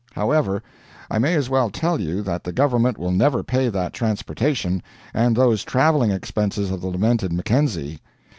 However, I may as well tell you that the government will never pay that transportation and those traveling expenses of the lamented Mackenzie.